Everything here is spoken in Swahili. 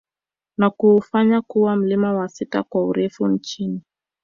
Na kuufanya kuwa mlima wa sita kwa urefu nchini